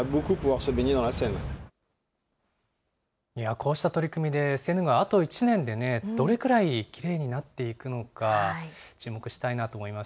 こうした取り組みで、セーヌ川、あと１年でどれくらいきれいになっていくのか、注目したいなと思います。